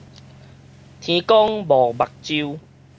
天公無目睭